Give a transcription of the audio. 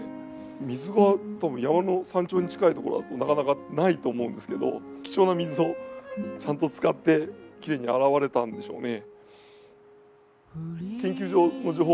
水が多分山の山頂に近いところだとなかなかないと思うんですけど貴重な水をちゃんと使ってきれいに洗われたんでしょうね。